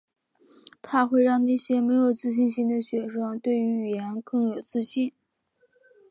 它会让那些没有自信心的学生对于语言更有信心。